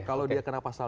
kalau dia kena pasal dua